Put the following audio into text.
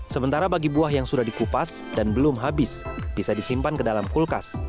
sementara bagi buah yang sudah dikupas dan belum habis bisa disimpan ke dalam kulkas